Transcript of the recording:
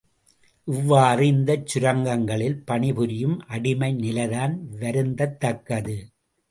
இவ்வாறு இந்தச் சுரங்கங்களில் பணிபுரியும் அடிமை நிலைதான் வருந்தத்தக்கது.